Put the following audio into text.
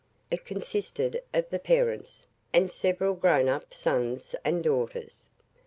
It consisted of the parents, and several grown up sons and daughters.